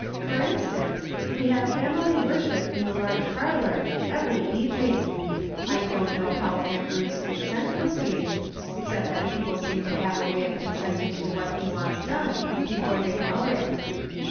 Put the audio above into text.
For instance, we have family worship in the large parlor every evening. I don't know how Aunt Ruth's consent was gained, except that people seem to have a way of con senting to what he wants done before they know it.